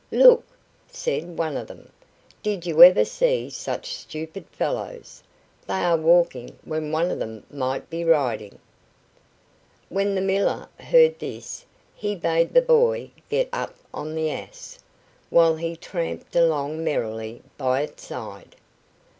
"Look!" said one of them. "Did you ever see such stupid fellows? They are walking when one of them might be riding." When the miller heard this he bade the boy get up on the ass, while he tramped along merrily by its side.